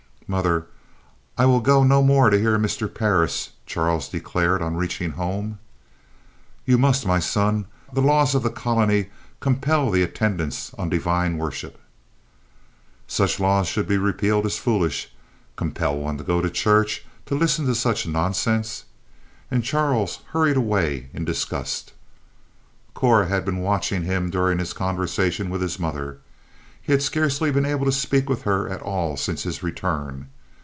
"Mother, I will go no more to hear Mr. Parris," Charles declared, on reaching home. "You must, my son. The laws of the colony compel the attendance on divine worship." "Such laws should be repealed as foolish. Compel one to go to church, to listen to such nonsense!" and Charles hurried away in disgust. Cora had been watching him during his conversation with his mother. He had scarcely been able to speak with her at all since his return.